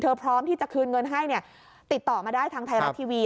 พร้อมที่จะคืนเงินให้เนี่ยติดต่อมาได้ทางไทยรัฐทีวี